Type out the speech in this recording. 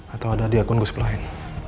atau ada di akun gue siap lain